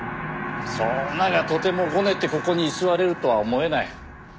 そうなりゃとてもごねてここに居座れるとは思えない。